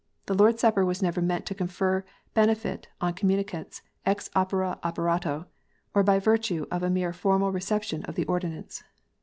The Lord s Supper was never meant to confer benefit on com municants ex opere operate, or by virtue of a mere formal reception of the ordinance.